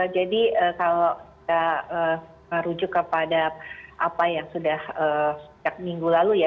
jadi kalau kita merujuk kepada apa yang sudah sejak minggu lalu ya